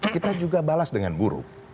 kita juga balas dengan buruk